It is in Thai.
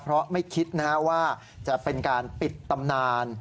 เพราะไม่คิดว่าจะเป็นการปิดตำนาน